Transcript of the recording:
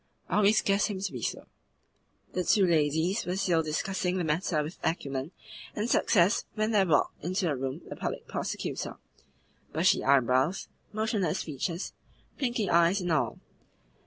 "I always guessed him to be so." The two ladies were still discussing the matter with acumen and success when there walked into the room the Public Prosecutor bushy eyebrows, motionless features, blinking eyes, and all.